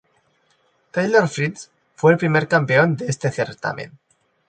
Taylor Fritz fue el primer campeón de este certamen.